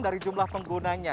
dari jumlah penggunanya